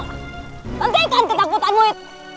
hentikan ketakutanmu itu